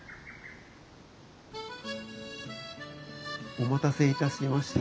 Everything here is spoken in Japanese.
お待たせいたしました。